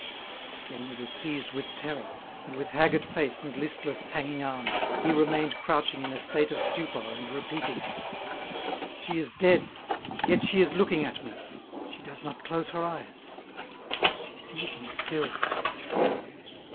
Then he was seized with terror, and with haggard face and listless hanging arms he remained crouching in a state of stupor, and repeating: "She is dead, yet she is looking at me; she does not close her eyes, she sees me still."